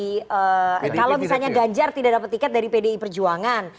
kalau misalnya ganjar tidak dapat tiket dari pdi perjuangan